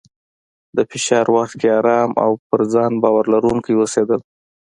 د فشار وخت کې ارام او په ځان باور لرونکی اوسېدل،